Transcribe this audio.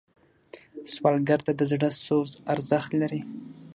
سوالګر ته د زړه سوز ارزښت لري